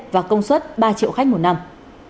và công suất ba triệu khách một năm